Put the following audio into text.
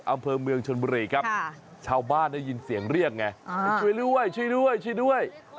อำเภอเมืองชนบรีครับชาวบ้านยินเสียงเรียกไงช่วยด้วย